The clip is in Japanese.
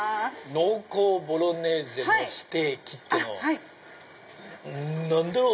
濃厚ボロネーゼのステーキってのを何だろう？